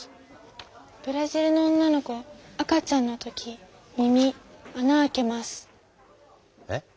ブラジルの女の子赤ちゃんの時耳あな開けます。え？